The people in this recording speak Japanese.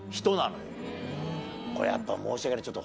これはやっぱ申し訳ない。